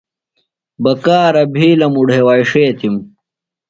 بکارہ بِھیلم اُڈھیواݜیتِم۔